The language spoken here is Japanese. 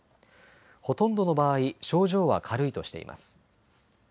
ほとんどの場合症状は軽いとしています。